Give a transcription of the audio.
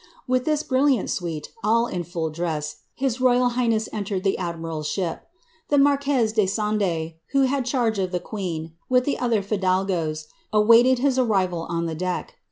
With this brilliant suite, all in full dress, his royal higlmess I the admiral's ship. The marquez de Sande, who had charge of «n, with the other Jidalgoes^ awaited his arrival on the deck.